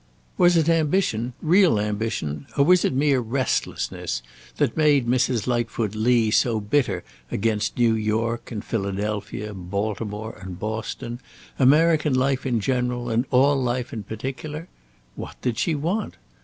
Was it ambition real ambition or was it mere restlessness that made Mrs. Lightfoot Lee so bitter against New York and Philadelphia, Baltimore and Boston, American life in general and all life in particular? What did she want?